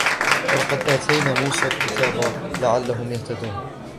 وَلَقَدْ آتَيْنَا مُوسَى الْكِتَابَ لَعَلَّهُمْ يَهْتَدُونَ